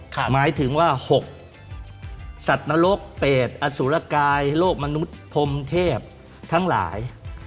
หมายถึงว่า๖สัตว์นรกเปดอสุรกายโลกมนุษย์พรมเทพทั้งหลาย